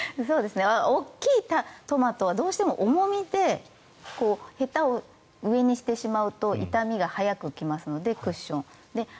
大きいトマトはどうしても重みでへたを上にしてしまうと傷みが早く来ますのでクッション。